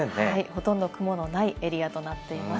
ほとんど雲のないエリアとなっています。